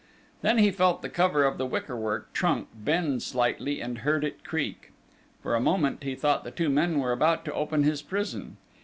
Then he felt the cover of the wickerwork trunk bend slightly and heard it creak. For a moment, he thought the two men were about to open his prison.